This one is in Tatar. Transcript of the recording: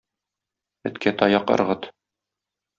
Эткә таяк ыргыт